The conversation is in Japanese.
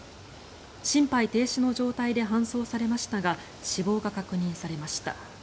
心肺停止の状態で搬送されましたが死亡が確認されました。